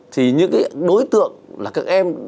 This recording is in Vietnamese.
thì những đối tượng là các em